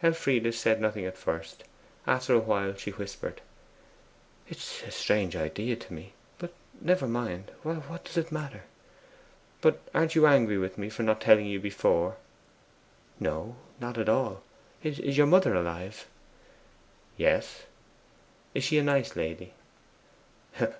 Elfride said nothing at first. After a while she whispered: 'That is a strange idea to me. But never mind; what does it matter?' 'But aren't you angry with me for not telling you before?' 'No, not at all. Is your mother alive?' 'Yes.' 'Is she a nice lady?